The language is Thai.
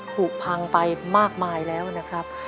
ผูกพังไปมากมายแล้วนะครับ